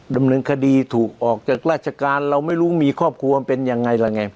ดำเนินคดีถูกออกจากราชการเราไม่รู้มีครอบครัวเป็นยังไงล่ะไง